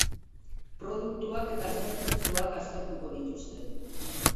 Produktuak eta zerbitzuak aztertuko dituzte.